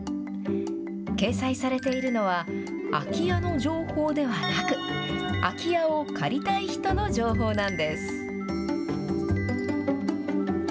掲載されているのは、空き家の情報ではなく、空き家を借りたい人の情報なんです。